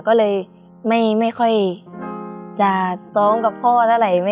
ก็เลยไม่ค่อยจะซ้อมกับพ่อเท่าไหร่